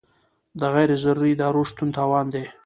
د غیر ضروري ادارو شتون تاوان دی.